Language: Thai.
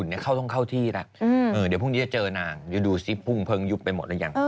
และก็กลับมานะคุณแม่ชม